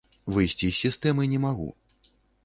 Выйсці з сістэмы не магу.